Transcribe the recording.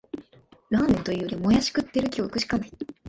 ラーメンというより、もやし食ってる記憶しかない